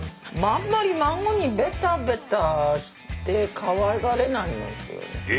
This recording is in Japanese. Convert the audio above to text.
あんまり孫にベタベタしてかわいがれないんですよね。